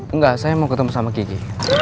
enggak saya mau ketemu sama kiki